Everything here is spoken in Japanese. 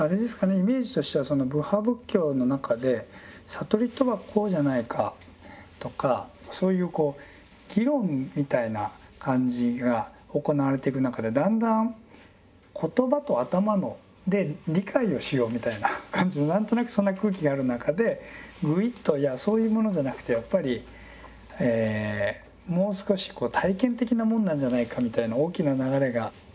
イメージとしてはその部派仏教の中で悟りとはこうじゃないかとかそういうこう議論みたいな感じが行われていく中でだんだん言葉と頭で理解をしようみたいな感じの何となくそんな空気がある中でぐいっといやそういうものじゃなくてやっぱりもう少し体験的なもんなんじゃないかみたいな大きな流れが。